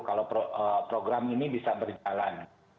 kalau program ini bisa berjalan